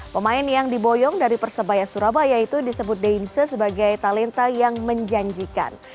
pemain yang diboyong dari persebaya surabaya itu disebut dainse sebagai talenta yang menjanjikan